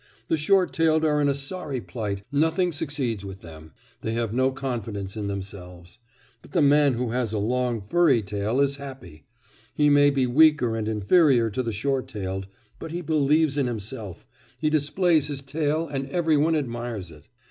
The short tailed are in a sorry plight; nothing succeeds with them they have no confidence in themselves. But the man who has a long furry tail is happy. He may be weaker and inferior to the short tailed; but he believes in himself; he displays his tail and every one admires it.